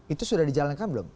itu sudah dijalankan belum